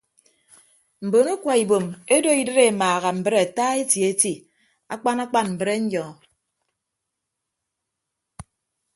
Mbon akwa ibom edo idịd emaaha mbre ata eti eti akpan akpan mbrenyọ.